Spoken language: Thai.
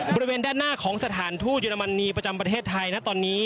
บริเวณด้านหน้าของสถานทูตเยอรมนีประจำประเทศไทยนะตอนนี้